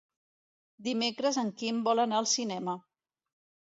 Dimecres en Quim vol anar al cinema.